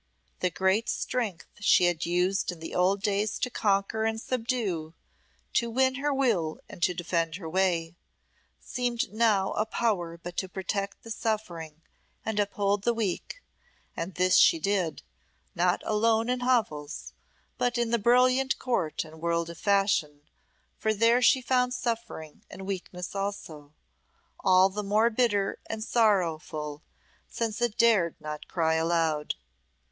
The great strength she had used in the old days to conquer and subdue, to win her will and to defend her way, seemed now a power but to protect the suffering and uphold the weak, and this she did, not alone in hovels but in the brilliant court and world of fashion, for there she found suffering and weakness also, all the more bitter and sorrowful since it dared not cry aloud.